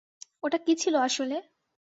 ওটা কী ছিল আসলে?